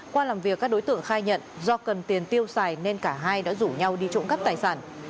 qua làm việc các đối tượng khai nhận do cần tiền tiêu xài nên cả hai đã rủ nhau đi trộm cắp tài sản